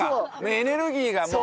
エネルギーがもう。